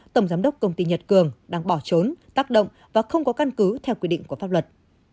tổng giám đốc công ty nhật cường đang bỏ trốn tác động và không có căn cứ theo quy định của pháp luật